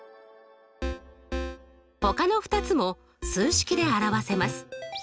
ほかの２つも数式で表せます。